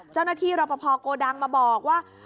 เจ้าหน้าที่รับประพอโกดังมาบอกว่า